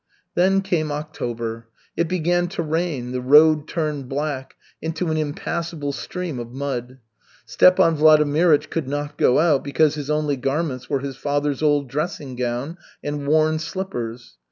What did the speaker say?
'" Then came October. It began to rain, the road turned black, into an impassable stream of mud. Stepan Vladimirych could not go out because his only garments were his father's old dressing gown and worn slippers.